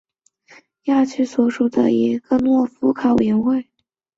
罗季奥诺夫卡村委员会是俄罗斯联邦阿穆尔州布列亚区所属的一个村委员会。